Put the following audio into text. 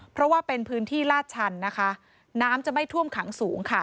เพราะว่าเป็นพื้นที่ลาดชันนะคะน้ำจะไม่ท่วมขังสูงค่ะ